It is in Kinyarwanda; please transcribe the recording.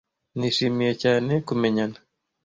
Nishimiye cyane kumenyana.